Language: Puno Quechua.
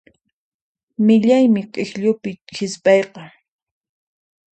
Millaymi k'ikllupi hisp'ayqa.